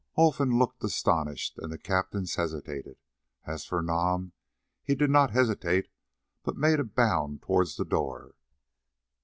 Olfan looked astonished and the captains hesitated. As for Nam, he did not hesitate, but made a bound towards the door.